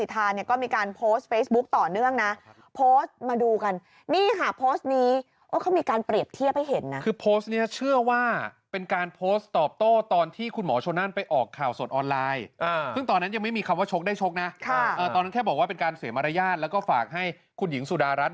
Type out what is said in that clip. แต่ขอให้มันเดินหน้าได้แค่นั้นเอง